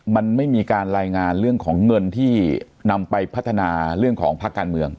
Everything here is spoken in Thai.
มันไม่มีการรายงานเรื่องของเงินที่นำไปพัฒนาเรื่องของภาคการเมือง